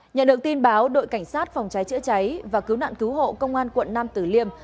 nhận được tin báo đội cảnh sát phòng cháy chữa cháy và cứu nạn cứu hộ công an quận nam tử liêm